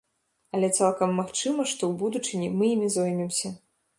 Але цалкам магчыма, што ў будучыні мы імі зоймемся.